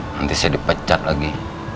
nanti saya dipecat lagi